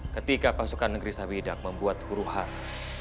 ketika pasukan negeri sawidak membuat huru haram